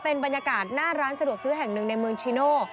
เป็นบรรยากาศหน้าร้านสะดวกซื้อแห่งหนึ่งในเมืองชิโน่